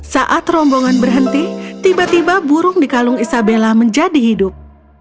saat rombongan berhenti tiba tiba burung di kalung isabella menjadi hidup